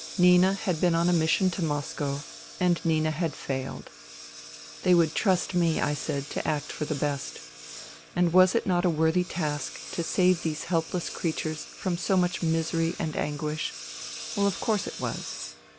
Nina had been on a mission to Moscow, and Nina had failed. They would trust me, I said, to act for the best. And was it not a worthy task to save these helpless creatures from so much misery and anguish ? Well, of course it was.